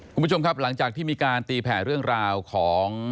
คุณผู้ชมครับหลังจากที่มีการตีแผ่เรื่องราวของ